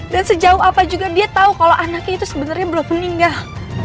dan sejauh apa juga dia tahu kalau anaknya itu sebenarnya belum meninggal